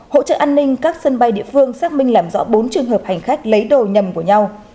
hỗ trợ an ninh các sân bay địa phương xác minh làm rõ bốn trường hợp hành khách lấy đồ nhầm của nhau